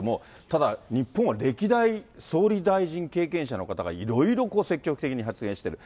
ただ、日本は歴代総理大臣経験者の方がいろいろ積極的に発言してる。